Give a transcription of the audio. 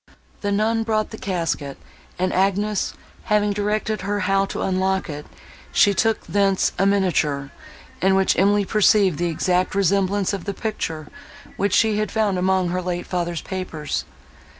The nun brought the casket, and Agnes, having directed her how to unlock it, she took thence a miniature, in which Emily perceived the exact resemblance of the picture, which she had found among her late father's papers.